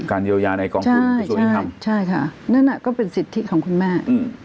เยียวยาในกองทุนกระทรวงยุติธรรมใช่ค่ะนั่นน่ะก็เป็นสิทธิของคุณแม่อืม